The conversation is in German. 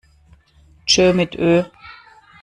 Tschö mit Ö!